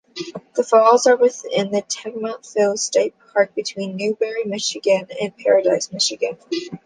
The falls are within Tahquamenon Falls State Park, between Newberry, Michigan, and Paradise, Michigan.